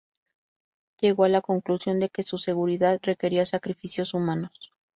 Llegó a la conclusión de que su seguridad requería sacrificios humanos.